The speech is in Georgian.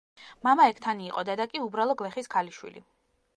მამა ექთანი იყო, დედა კი უბრალო გლეხის ქალიშვილი.